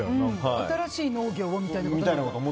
新しい農業をみたいなことを？